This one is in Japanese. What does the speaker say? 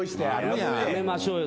やめましょうよ。